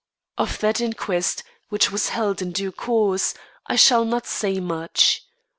Of that inquest, which was held in due course, I shall not say much.